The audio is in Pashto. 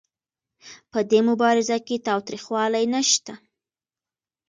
په دې مبارزه کې تاوتریخوالی نشته.